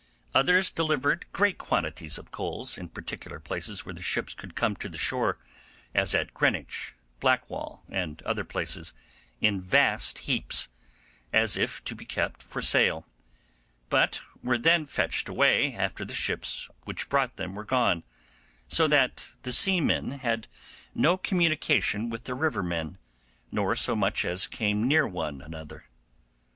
Others delivered great quantities of coals in particular places where the ships could come to the shore, as at Greenwich, Blackwall, and other places, in vast heaps, as if to be kept for sale; but were then fetched away after the ships which brought them were gone, so that the seamen had no communication with the river men, nor so much as came near one another.